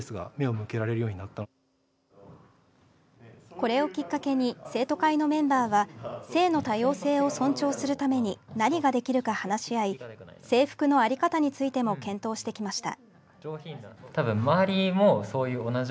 これをきっかけに生徒会のメンバーは性の多様性を尊重するために何ができるか話し合い制服の在り方についても検討してきました。